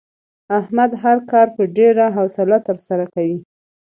احمد هر کار په ډېره حوصله ترسره کوي.